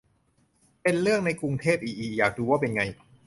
เป็นเรื่องใน กรุงเทพ อิอิ อยากดูว่าเป็นไง